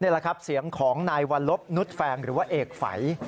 นี่แหละครับเสียงของนายวัลลบนุษย์แฟงหรือว่าเอกฝัย